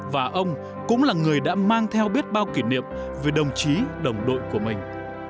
và ông cũng là người đã mang theo biết bao kỷ niệm về đồng chí đồng đội của mình